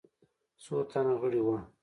څو تنه غړي وه.